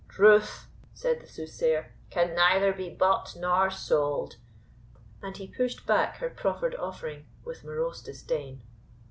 "Truth," said the Soothsayer, "can neither be bought nor sold;" and he pushed back her proffered offering with morose disdain.